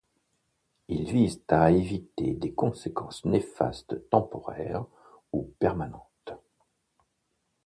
Ils visent à éviter des conséquences néfastes temporaires ou permanentes.